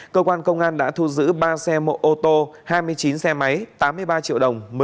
cơ quan công an đã thu giữ ba xe mô ô tô hai mươi chín xe máy tám mươi ba triệu đồng